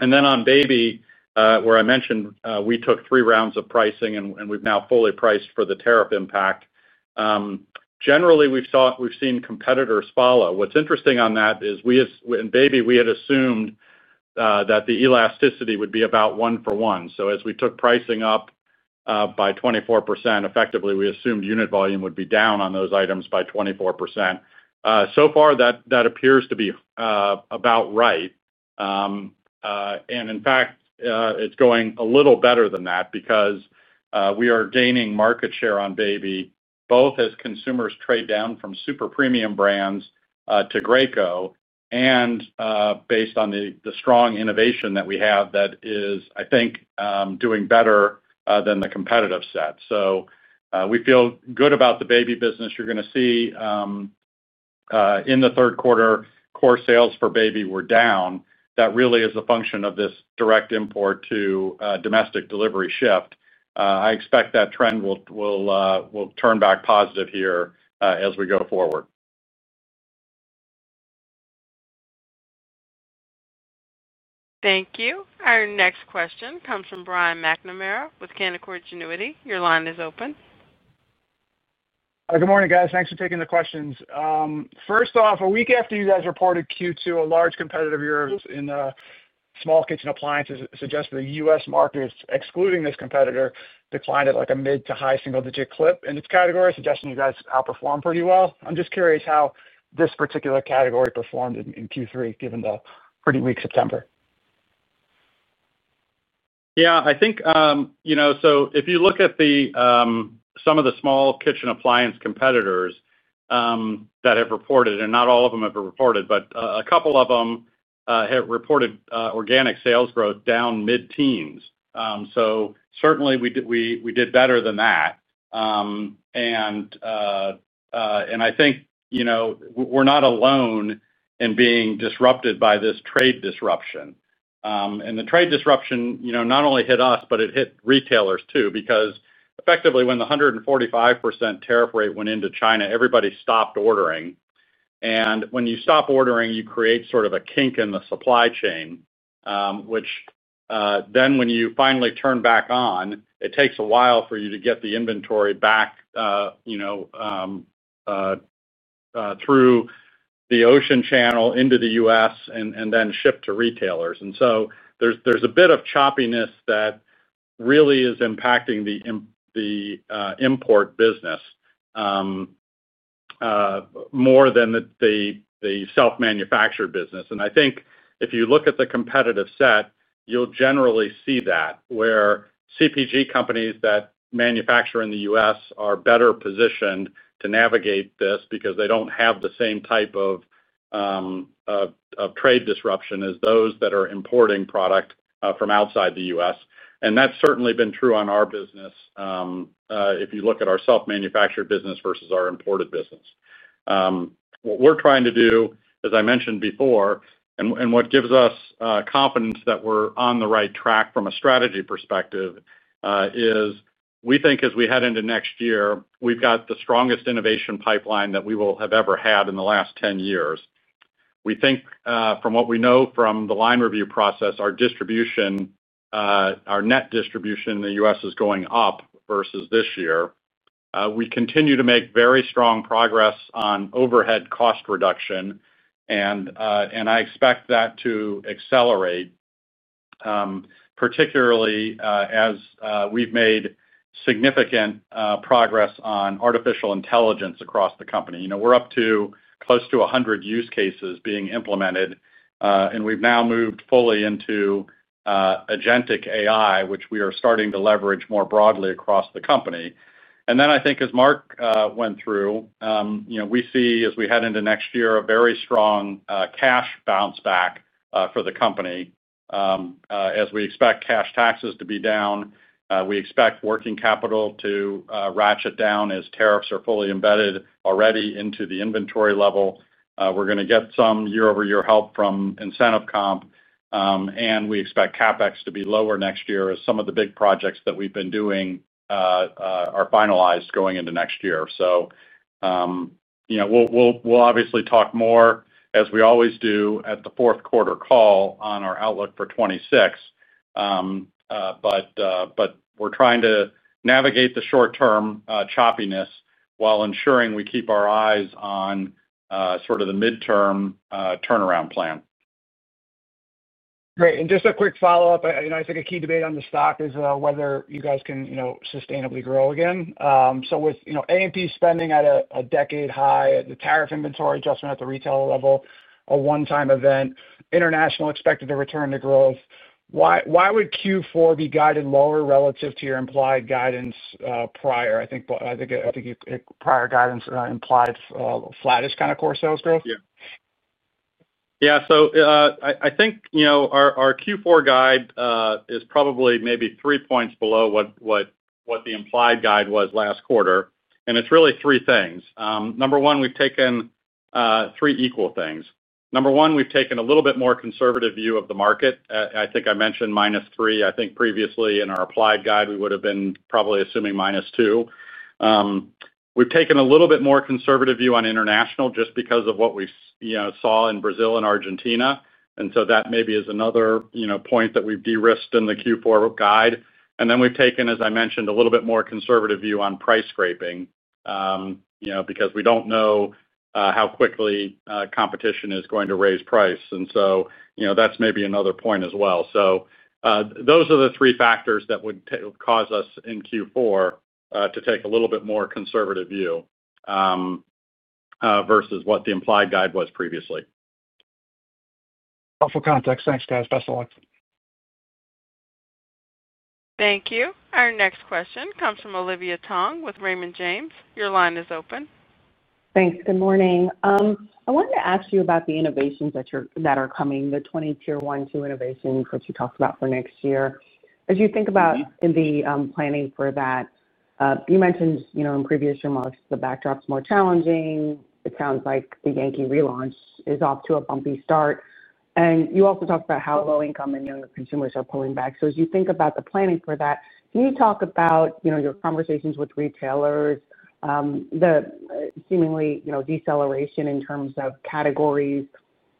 [SPEAKER 3] On Baby, where I mentioned we took three rounds of pricing and we've now fully priced for the tariff impact, generally we've seen competitors follow. What's interesting on that is in baby, we had assumed that the elasticity would be about one for one. As we took pricing up by 24%, effectively, we assumed unit volume would be down on those items by 24%. So far, that appears to be about right. In fact, it's going a little better than that because we are gaining market share on Baby, both as consumers trade down from super premium brands to Graco, and based on the strong innovation that we have that is, I think, doing better than the competitive set. We feel good about the Baby business. You're going to see in the third quarter, core sales for Baby were down. That really is a function of this direct import to domestic delivery shift. I expect that trend will turn back positive here as we go forward.
[SPEAKER 1] Thank you. Our next question comes from Brian McNamara with Canaccord Genuity. Your line is open.
[SPEAKER 9] Good morning, guys. Thanks for taking the questions. First off, a week after you guys reported Q2, a large competitor of yours in small kitchen appliances suggested the U.S. market, excluding this competitor, declined at a mid to high single-digit clip in its category, suggesting you guys outperformed pretty well. I'm just curious how this particular category performed in Q3, given the pretty weak September.
[SPEAKER 3] I think if you look at some of the small kitchen appliance competitors that have reported, and not all of them have reported, but a couple of them have reported organic sales growth down mid-teens. Certainly, we did better than that. I think we're not alone in being disrupted by this trade disruption. The trade disruption not only hit us, but it hit retailers too because effectively, when the 145% tariff rate went into China, everybody stopped ordering. When you stop ordering, you create sort of a kink in the supply chain, which then when you finally turn back on, it takes a while for you to get the inventory back through the ocean channel into the U.S. and then ship to retailers. There's a bit of choppiness that really is impacting the import business more than the self-manufactured business. I think if you look at the competitive set, you'll generally see that where CPG companies that manufacture in the U.S. are better positioned to navigate this because they don't have the same type of trade disruption as those that are importing product from outside the U.S. That's certainly been true on our business. If you look at our self-manufactured business versus our imported business, what we're trying to do, as I mentioned before, and what gives us confidence that we're on the right track from a strategy perspective, is we think as we head into next year, we've got the strongest innovation pipeline that we will have ever had in the last 10 years. We think from what we know from the line review process, our distribution, our net distribution in the U.S. is going up versus this year. We continue to make very strong progress on overhead cost reduction, and I expect that to accelerate, particularly as we've made significant progress on artificial intelligence across the company. We're up to close to 100 use cases being implemented, and we've now moved fully into agentic AI, which we are starting to leverage more broadly across the company. I think as Mark went through, we see as we head into next year a very strong cash bounce back for the company as we expect cash taxes to be down. We expect working capital to ratchet down as tariffs are fully embedded already into the inventory level. We're going to get some year-over-year help from incentive comp, and we expect CapEx to be lower next year as some of the big projects that we've been doing are finalized going into next year. We'll obviously talk more, as we always do, at the fourth quarter call on our outlook for 2026. We're trying to navigate the short-term choppiness while ensuring we keep our eyes on sort of the midterm turnaround plan.
[SPEAKER 9] Great. Just a quick follow-up. I think a key debate on the stock is whether you guys can sustainably grow again. With A&P spending at a decade high, the tariff inventory adjustment at the retailer level a one-time event, and international expected to return to growth, why would Q4 be guided lower relative to your implied guidance prior? I think prior guidance implied flattish kind of core sales growth.
[SPEAKER 3] I think our Q4 guide is probably maybe three points below what the implied guide was last quarter. It's really three things. Number one, we've taken three equal things. Number one, we've taken a little bit more conservative view of the market. I think I mentioned -3%. I think previously in our implied guide, we would have been probably assuming -2%. We've taken a little bit more conservative view on international just because of what we saw in Brazil and Argentina. That maybe is another point that we've de-risked in the Q4 guide. We've taken, as I mentioned, a little bit more conservative view on price scraping because we don't know how quickly competition is going to raise price. That's maybe another point as well. Those are the three factors that would cause us in Q4 to take a little bit more conservative view versus what the implied guide was previously.
[SPEAKER 9] Helpful context. Thanks, guys. Best of luck.
[SPEAKER 1] Thank you. Our next question comes from Olivia Tong with Raymond James. Your line is open.
[SPEAKER 10] Thanks. Good morning. I wanted to ask you about the innovations that are coming, the 20 Tie 1 and Tier 2 product innovations that you talked about for next year. As you think about the planning for that, you mentioned in previous remarks the backdrop's more challenging. It sounds like the Yankee relaunch is off to a bumpy start. You also talked about how low-income and younger consumers are pulling back. As you think about the planning for that, can you talk about your conversations with retailers, the seemingly deceleration in terms of categories,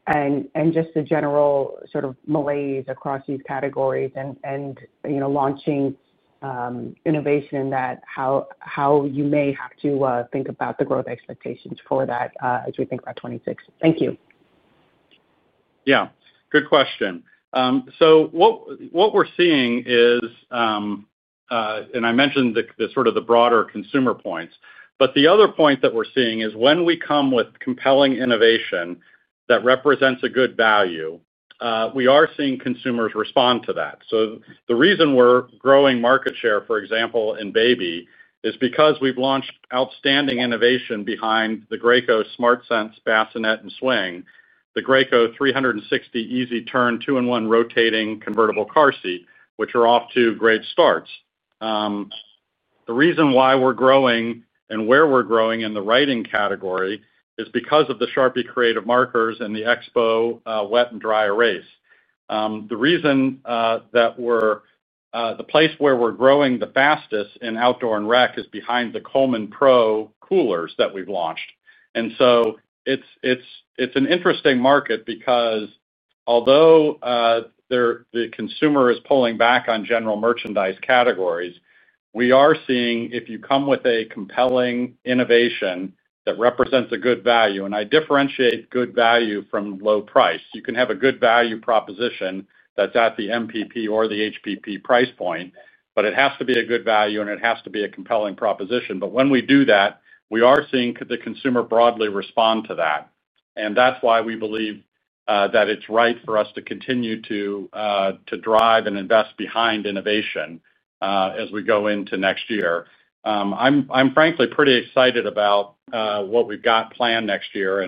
[SPEAKER 10] and just the general sort of malaise across these categories and launching innovation in that? How you may have to think about the growth expectations for that as we think about 2026? Thank you.
[SPEAKER 3] Good question. What we're seeing is, and I mentioned sort of the broader consumer points, the other point that we're seeing is when we come with compelling innovation that represents a good value, we are seeing consumers respond to that. The reason we're growing market share, for example, in Baby is because we've launched outstanding innovation behind the Graco SmartSense Bassinet and Swing, the Graco 360 Easy Turn 2-in-1 Rotating Convertible Car Seat, which are off to great starts. The reason why we're growing and where we're growing in the writing category is because of the Sharpie Creative Markers and the Expo Wet and Dry Erase. The place where we're growing the fastest in outdoor and rec is behind the Coleman Pro Coolers that we've launched. It's an interesting market because although the consumer is pulling back on general merchandise categories, we are seeing if you come with a compelling innovation that represents a good value. I differentiate good value from low price. You can have a good value proposition that's at the MPP or the HPP price point, but it has to be a good value and it has to be a compelling proposition. When we do that, we are seeing the consumer broadly respond to that. That's why we believe that it's right for us to continue to drive and invest behind innovation as we go into next year. I'm frankly pretty excited about what we've got planned next year.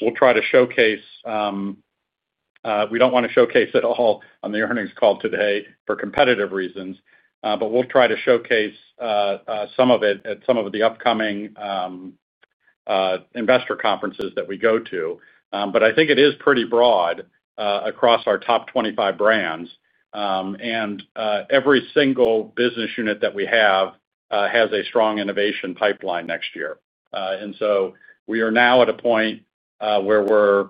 [SPEAKER 3] We'll try to showcase, we don't want to showcase it all on the earnings call today for competitive reasons, but we'll try to showcase some of it at some of the upcoming investor conferences that we go to. I think it is pretty broad across our top 25 brands, and every single business unit that we have has a strong innovation pipeline next year. We are now at a point where we're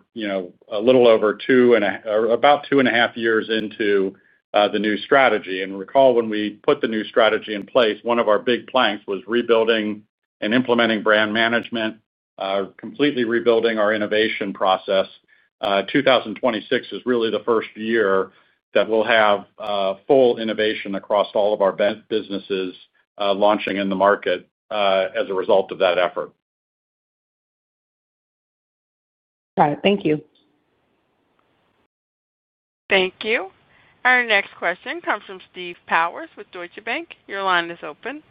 [SPEAKER 3] a little over two or about 2.5 years into the new strategy. Recall when we put the new strategy in place, one of our big planks was rebuilding and implementing brand management, completely rebuilding our innovation process. 2026 is really the first year that we'll have full innovation across all of our businesses launching in the market as a result of that effort.
[SPEAKER 10] Got it. Thank you.
[SPEAKER 1] Thank you. Our next question comes from Steve Powers with Deutsche Bank. Your line is open.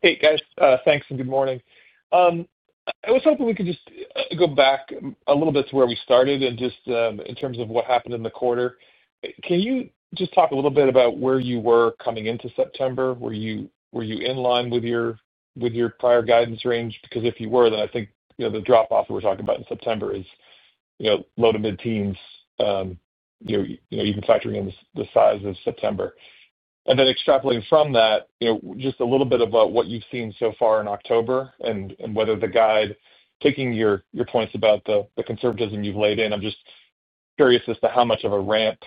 [SPEAKER 11] Hey, guys. Thanks and good morning. I was hoping we could just go back a little bit to where we started and just in terms of what happened in the quarter. Can you just talk a little bit about where you were coming into September? Were you in line with your prior guidance range? Because if you were, then I think the drop-off we were talking about in September is low to mid-teens. You've been factoring in the size of September, and then extrapolating from that, just a little bit about what you've seen so far in October and whether the guide, taking your points about the conservatism you've laid in, I'm just curious as to how much of a ramp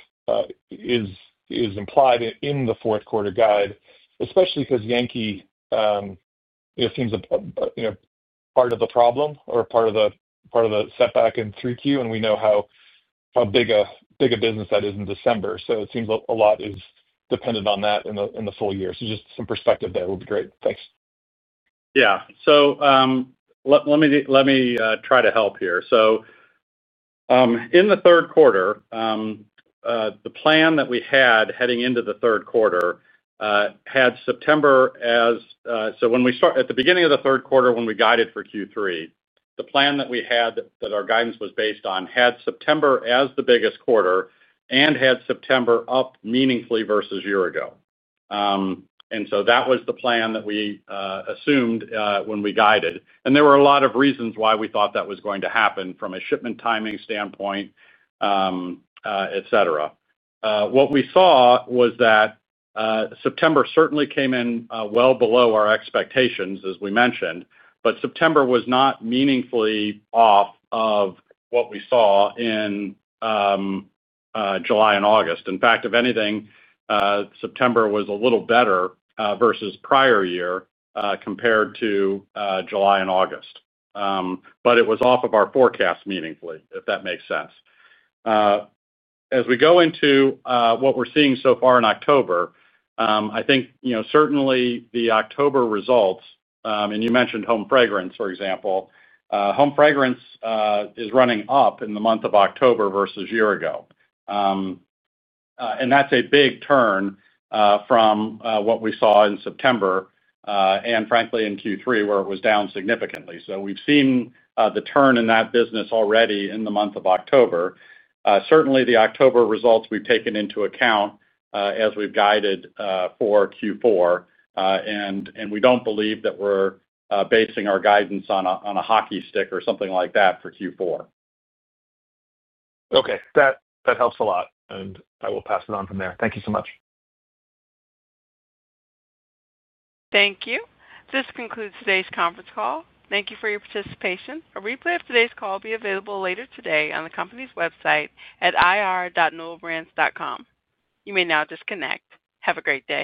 [SPEAKER 11] is implied in the fourth quarter guide, especially because Yankee seems a part of the problem or part of the setback in 3Q. We know how big a business that is in December. It seems a lot is dependent on that in the full year. Just some perspective there would be great. Thanks.
[SPEAKER 3] Let me try to help here. In the third quarter, the plan that we had heading into the third quarter had September as, so when we start at the beginning of the third quarter, when we guided for Q3, the plan that we had that our guidance was based on had September as the biggest quarter and had September up meaningfully versus a year ago. That was the plan that we assumed when we guided. There were a lot of reasons why we thought that was going to happen from a shipment timing standpoint, etc. What we saw was that September certainly came in well below our expectations, as we mentioned, but September was not meaningfully off of what we saw in July and August. In fact, if anything, September was a little better versus prior year compared to July and August, but it was off of our forecast meaningfully, if that makes sense. As we go into what we're seeing so far in October, I think certainly the October results, and you mentioned home fragrance, for example, home fragrance is running up in the month of October versus a year ago. That's a big turn from what we saw in September and, frankly, in Q3, where it was down significantly. We've seen the turn in that business already in the month of October. Certainly, the October results we've taken into account as we've guided for Q4. We don't believe that we're basing our guidance on a hockey stick or something like that for Q4.
[SPEAKER 11] Okay, that helps a lot. I will pass it on from there. Thank you so much.
[SPEAKER 1] Thank you. This concludes today's conference call. Thank you for your participation. A replay of today's call will be available later today on the company's website at irr.newellbrands.com. You may now disconnect. Have a great day.